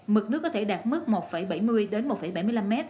mực nước có thể đạt mức một bảy mươi đến một bảy mươi năm m